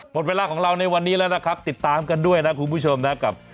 หมดเวลาของเราในวันนี้แล้วนะครับติดตามกันด้วยนะคุณผู้ชมนะกับ